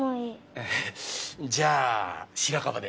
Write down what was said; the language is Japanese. えっじゃあ白樺で！